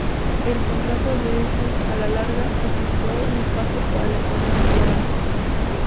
El contrato Dreyfus, a la larga, resultó nefasto para la economía peruana.